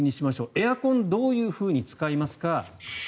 エアコンをどういうふうに使いますか。